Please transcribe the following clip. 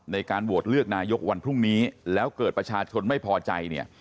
ในการโหวตเลือกนายกวันพรุ่งนี้แล้วเกิดประชาชนไม่พอใจเนี่ย